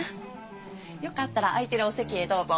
よかったら空いてるお席へどうぞ。